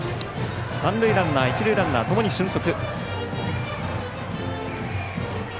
三塁ランナー、一塁ランナーともに俊足。